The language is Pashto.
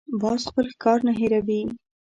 باز خپل ښکار نه هېروي